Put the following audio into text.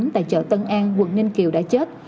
tại chợ tân an quận ninh kiều đã chết